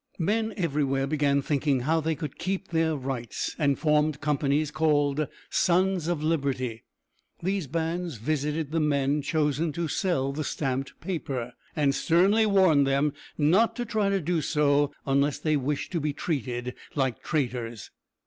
Men everywhere began thinking how they could keep their rights, and formed companies called "Sons of Liberty." These bands visited the men chosen to sell the stamped paper, and sternly warned them not to try to do so unless they wished to be treated like traitors.